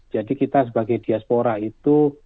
jadi kita sebagai diaspora itu